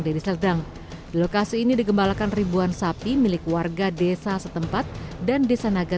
deli serdang lokasi ini digembalakan ribuan sapi milik warga desa setempat dan desa naga